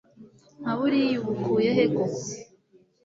nkaburiya ubukuye he koko